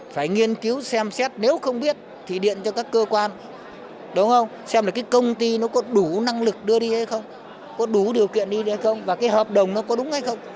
phải nghiên cứu xem xét nếu không biết thì điện cho các cơ quan đúng không xem là cái công ty nó có đủ năng lực đưa đi hay không có đủ điều kiện đi hay không và cái hợp đồng nó có đúng hay không